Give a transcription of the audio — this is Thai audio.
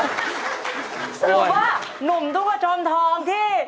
สิ่งว่านุ่มทุกว่าชมทองที่